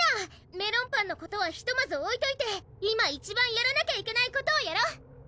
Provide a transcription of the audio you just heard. メロンパンのことはひとまずおいといて今一番やらなきゃいけないことをやろ！